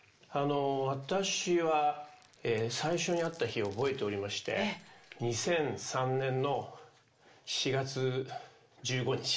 私は最初に会った日を覚えておりまして２００３年の４月１５日。